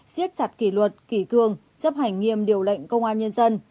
xiết chặt kỷ luật kỷ cương chấp hành nghiêm điều lệnh công an nhân dân